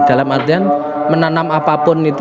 dalam artian menanam apapun itu